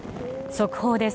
速報です。